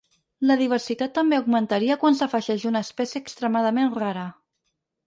La diversitat també augmentaria quan s’afegeix una espècie extremadament rara.